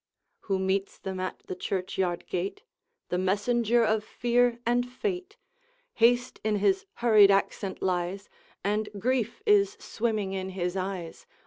Who meets them at the churchyard gate? The messenger of fear and fate! Haste in his hurried accent lies, And grief is swimming in his eyes.